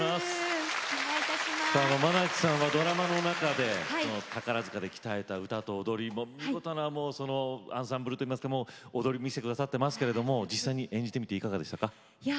愛希さんはドラマの中で宝塚で鍛えた歌と踊り見事なアンサンブルといいますか踊りを見せてくださっていますけど実際に演じてみていかがでしたか。